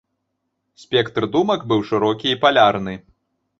Спектр думак быў шырокі і палярны.